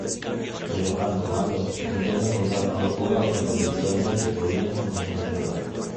Mientras tanto, Mulder intenta encontrar a dos fugados que potencialmente podrían contagiar la enfermedad.